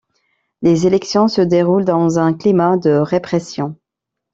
Les élections se déroulent dans un climat de répression.